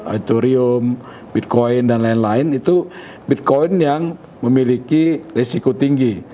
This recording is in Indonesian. autorium bitcoin dan lain lain itu bitcoin yang memiliki risiko tinggi